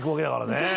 ねえ。